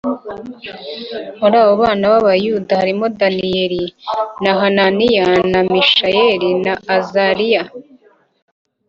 Muri abo bana b’Abayuda harimo Daniyeli na Hananiya, na Mishayeli na Azariya